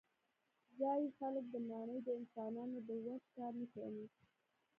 ځايي خلک دا ماڼۍ د انسانانو د وس کار نه ګڼي.